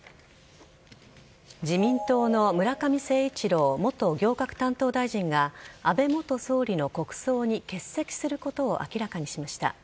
自民党の村上誠一郎元行革担当大臣が安倍元総理の国葬に欠席することを明らかにしました。